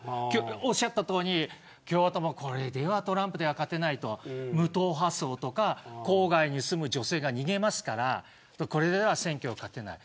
おっしゃったように共和党もこれではトランプでは勝てないと無党派層とか郊外に住む女性が逃げるのでこれでは選挙は勝てない。